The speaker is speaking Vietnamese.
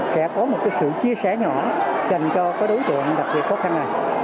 sẽ có một sự chia sẻ nhỏ dành cho đối tượng đặc biệt khó khăn này